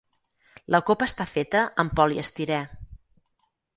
La copa està feta amb poliestirè.